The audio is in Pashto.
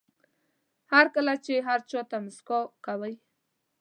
هر کله چې هر چا ته موسکا کوئ.